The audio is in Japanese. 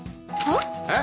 えっ！？